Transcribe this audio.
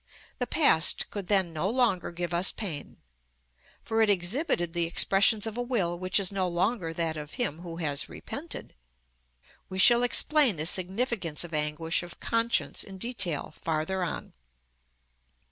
The past could then no longer give us pain, for it exhibited the expressions of a will which is no longer that of him who has repented. We shall explain the significance of anguish of conscience in detail farther on.